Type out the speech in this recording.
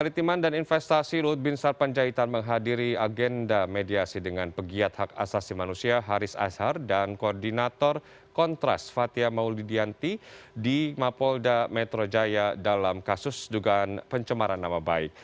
peneritiman dan investasi luhut bin sarpanjaitan menghadiri agenda mediasi dengan pegiat hak asasi manusia haris azhar dan koordinator kontras fathia maulidianti di mapolda metro jaya dalam kasus dugaan pencemaran nama baik